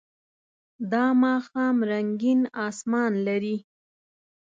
دا ماښام رنګین آسمان لري.